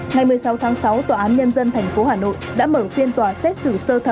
ngày một mươi sáu tháng sáu tòa án nhân dân tp hà nội đã mở phiên tòa xét xử sơ thẩm